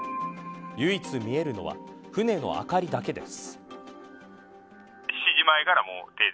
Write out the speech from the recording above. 唯一、見えるのは船の明かりだけです。